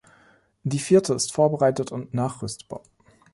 Die vierte ist vorbereitet und nachrüstbar.